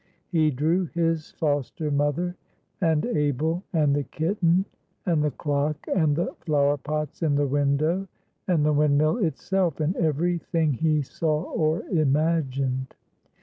He drew his foster mother, and Abel, and the kitten, and the clock, and the flower pots in the window, and the windmill itself, and every thing he saw or imagined.